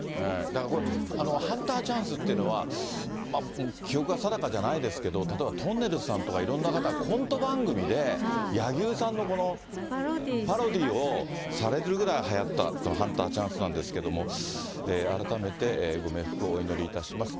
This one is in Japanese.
だから、ハンターチャンスっていうのは、記憶が定かじゃないですけど、例えばとんねるずさんとか、いろんな方、コント番組で、柳生さんのパロディーをされてるぐらいはやったという、ハンターチャンスなんですけれども、改めてご冥福をお祈りいたします。